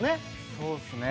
そうですね。